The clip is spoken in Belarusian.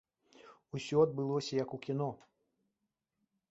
Усё адбылося, як у кіно.